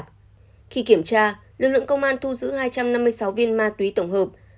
khi kiểm tra lực lượng công an thu giữ hai trăm năm mươi sáu viên ma túy tổng hợp